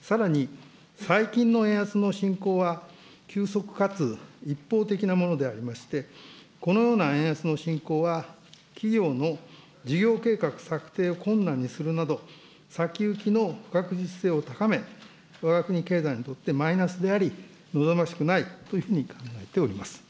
さらに、最近の円安の進行は急速かつ一方的なものでありまして、このような円安の進行は、企業の事業計画策定を困難にするなど、先行きの不確実性を高め、わが国経済にとってマイナスであり、好ましくないというふうに考えております。